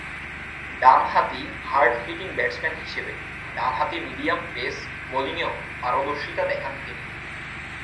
ডানহাতি hard hitting batsman হিসেবে ডানহাতি মিডিয়াম-পেস বোলিংয়েও পারদর্শিতা দেখান তিনি।